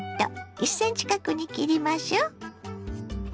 １ｃｍ角に切りましょ。